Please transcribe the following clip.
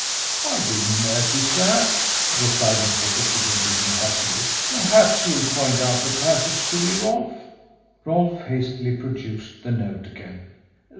"I didn't notice that," replied Inspector Chippenfield impassively. "Perhaps you'll point out the passage to me, Rolfe." Rolfe hastily produced the note again.